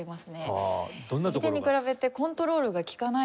きき手に比べてコントロールが利かないので。